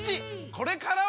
これからは！